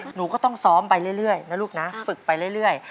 หนูก็ต้องซ้อมไปเรื่อยนะลูกนะฝึกไปเรื่อย